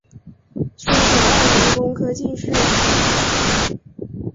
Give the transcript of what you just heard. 宣统二年工科进士。